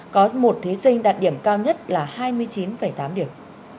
có một thí sinh đạt điểm cao nhất là hai mươi chín tám điểm